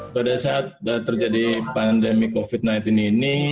pada saat terjadi pandemi covid sembilan belas ini